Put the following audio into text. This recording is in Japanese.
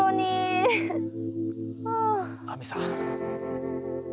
亜美さん。